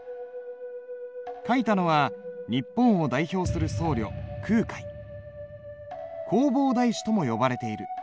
書いたのは日本を代表する僧侶弘法大師とも呼ばれている。